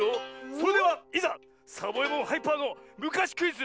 それではいざサボえもんハイパーのむかしクイズ